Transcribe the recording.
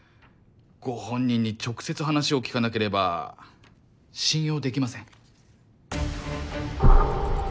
ご本人に直接話を聞かなければ信用できません。